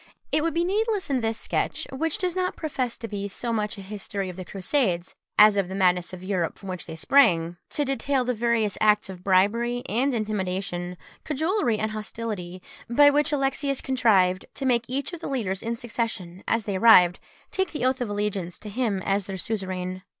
It would be needless in this sketch, which does not profess to be so much a history of the Crusades, as of the madness of Europe, from which they sprang, to detail the various acts of bribery and intimidation, cajolery and hostility, by which Alexius contrived to make each of the leaders in succession, as they arrived, take the oath of allegiance to him as their suzerain.